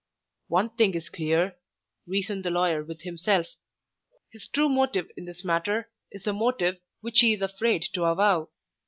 "One thing is clear," reasoned the lawyer with himself. "His true motive in this matter is a motive which he is afraid to avow.